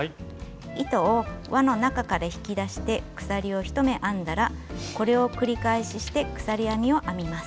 糸を輪の中から引き出して鎖を１目編んだらこれを繰り返しして鎖編みを編みます。